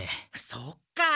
そっか！